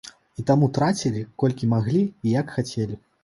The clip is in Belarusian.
І таму трацілі, колькі маглі і як хацелі.